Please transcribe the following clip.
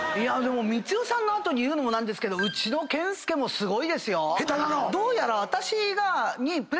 光代さんの後に言うのも何ですけどうちの健介もすごいですよ。